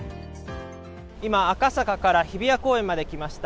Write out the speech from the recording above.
今、赤坂から日比谷公園まで来ました。